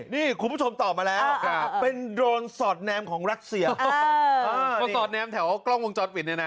นี่คุณผู้ชมตอบมาแล้วเป็นโดรนสอดแนมของรัสเซียมาสอดแนมแถวกล้องวงจรปิดเนี่ยนะ